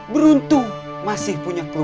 beruntung masih punya keluarga